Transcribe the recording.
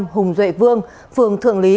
hùng duệ vương phường thượng lý